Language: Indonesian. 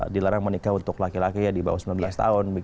dilarang menikah untuk laki laki ya di bawah sembilan belas tahun